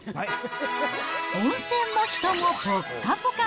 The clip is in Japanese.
温泉も人もぽっかぽか。